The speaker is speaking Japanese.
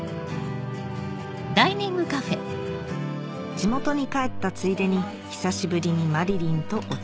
地元に帰ったついでに久しぶりにまりりんとお茶